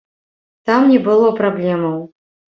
Там не было праблемаў.